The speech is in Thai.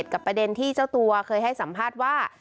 กับประเด็นที่เจ้าตัวเคยให้สัมภาษณ์ว่า